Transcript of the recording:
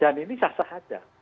dan ini sah sah aja